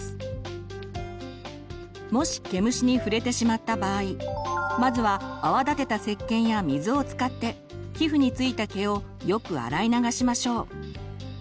もし毛虫に触れてしまった場合まずは泡立てたせっけんや水を使って皮膚に付いた毛をよく洗い流しましょう。